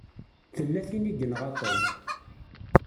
Tella tin i yenɣa Tom.